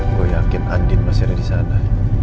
gue yakin andien masih ada disana